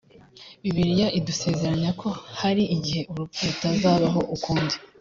bibiliya idusezeranya ko hari igihe urupfu rutazabaho ukundi